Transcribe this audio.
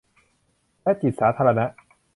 และจิตสาธารณะ